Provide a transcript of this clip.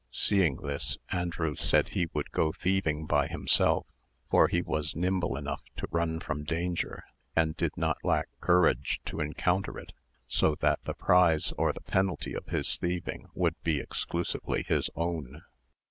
Seeing this, Andrew said he would go thieving by himself; for he was nimble enough to run from danger, and did not lack courage to encounter it; so that the prize or the penalty of his thieving would be exclusively his own.